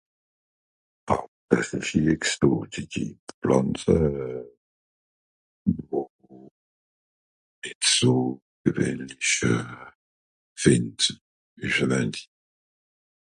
... àss esch nìx do die die pflànze euh ... het so gewähnlich euh fìnd esch àlleins